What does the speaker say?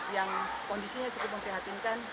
yang kondisinya cukup memperhatinkan